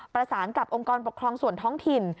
ประสานกับองค์กรปกครองส่วนท้องถิ่น